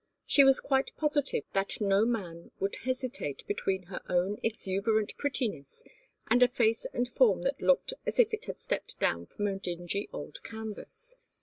She was quite positive that no man would hesitate between her own exuberant prettiness and a face and form that looked as if it had stepped down from a dingy old canvas.